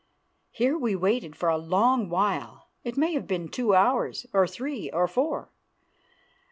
Here we waited for a long while; it may have been two hours, or three, or four.